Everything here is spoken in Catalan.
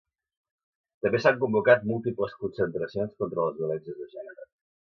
També s’han convocat múltiples concentracions contra les violències de gènere.